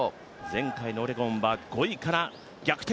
前回のオレゴンは５位から逆転。